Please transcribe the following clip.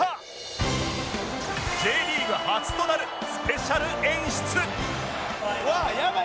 Ｊ リーグ初となるスペシャル演出